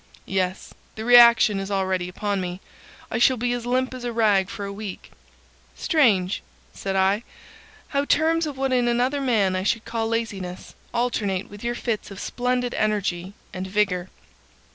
"Yes, the reaction is already upon me. I shall be as limp as a rag for a week." "Strange," said I, "how terms of what in another man I should call laziness alternate with your fits of splendid energy and vigour."